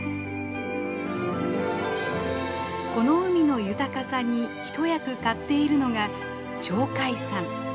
この海の豊かさに一役買っているのが鳥海山。